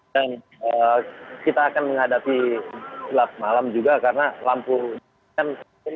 dan kita akan menghadapi gelap malam juga karena lampu hujan